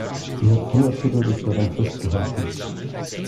Sie hat unerschütterlich daran festgehalten.